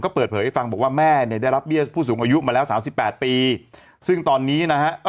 ก็เปิดเผยให้ฟังบอกว่าแม่เนี่ยได้รับเบี้ยผู้สูงอายุมาแล้ว๓๘ปี